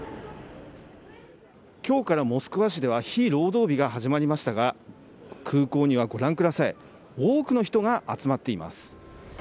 きょうからモスクワ市では、非労働日が始まりましたが、空港にはご覧ください、多くの人が集まっています。